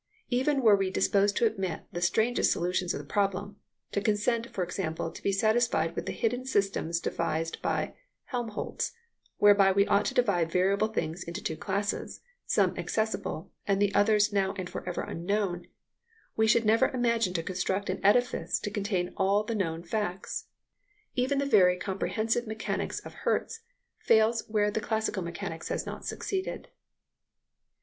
Even were we disposed to admit the strangest solutions of the problem; to consent, for example, to be satisfied with the hidden systems devised by Helmholtz, whereby we ought to divide variable things into two classes, some accessible, and the others now and for ever unknown, we should never manage to construct an edifice to contain all the known facts. Even the very comprehensive mechanics of a Hertz fails where the classical mechanics has not succeeded.